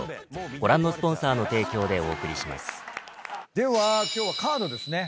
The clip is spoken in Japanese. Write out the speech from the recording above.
では今日はカードですね。